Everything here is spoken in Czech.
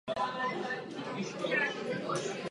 Hovořila jste o důvěře.